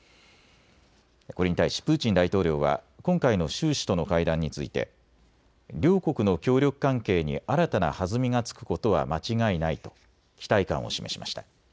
これに対しプーチン大統領は今回の習氏との会談について両国の協力関係に新たな弾みがつくことは間違いないと期待感を示しました。